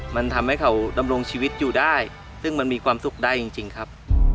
มันทำให้เขาดำรงชีวิตอยู่ได้ซึ่งมันมีความสุขได้จริงครับ